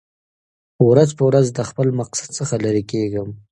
ورځ په ورځ له خپل مقصد څخه لېر کېږم .